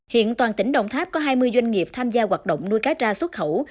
hiện toàn tỉnh đồng tháp có hai mươi doanh nghiệp tham gia hoạt động nuôi cá tra xuất khẩu